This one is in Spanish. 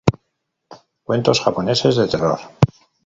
Cuentos japoneses de terror